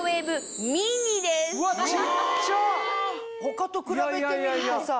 他と比べてみるとさ。